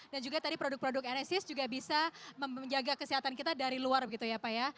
dan juga tadi produk produk enesis juga bisa menjaga kesehatan kita dari luar gitu ya pak ya